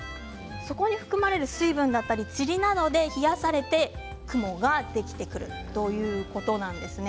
そこに含まれる成分だったりちりなどで冷やされて雲ができてくるということなんですね。